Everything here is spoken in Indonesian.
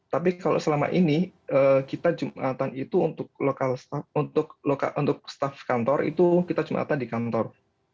tapi kalau selama ini kita jumatan itu untuk staff kantor itu kita jumatan di kantor